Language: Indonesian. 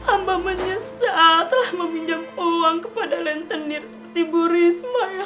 amba menyesatlah meminjam uang kepada lantenir seperti bu risma ya allah